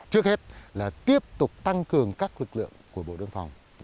trước hết là tiếp tục tăng cường các lực lượng của bộ đơn phòng